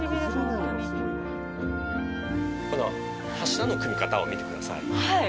この柱の組み方を見てください。